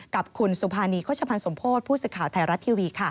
กับคุณสุภานีเข้าชะพันธ์สมโพธิ์ผู้ศึกข่าวไทยรัตน์ทีวี